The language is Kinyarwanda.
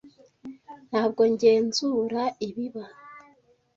Ntabwo ngenzura ibiba.